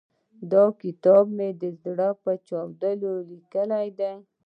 دا کتاب مې د زړه په چاود ليکلی دی.